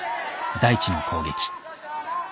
大智の攻撃。